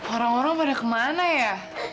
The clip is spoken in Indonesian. orang orang pada kemana ya